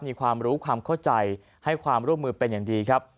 มีความรู้ความเข้าใจให้ความร่วมมือเป็นอย่างดีครับ